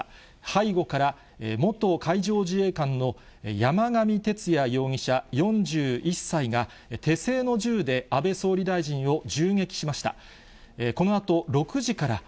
背後から、元海上自衛官の山上徹也容疑者４１歳が、手製の銃で安倍総理大臣を銃撃しました。